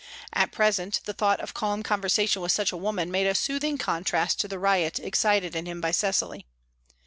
At present, the thought of calm conversation with such a woman made a soothing contrast to the riot excited in him by Cecily.